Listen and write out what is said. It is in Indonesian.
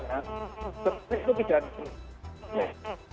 ternyata itu sudah dijalankan